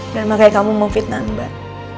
makanya kamu mau fitnah mbak